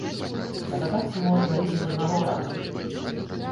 Здагадацца можна і з аднаго разу.